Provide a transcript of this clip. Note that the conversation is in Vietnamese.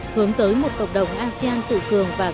hướng tới một cộng đồng asean tự cường và dễ dàng